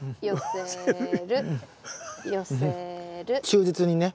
忠実にね。